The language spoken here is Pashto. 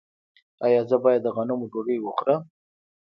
ایا زه باید د غنمو ډوډۍ وخورم؟